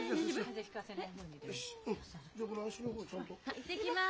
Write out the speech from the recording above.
行ってきます。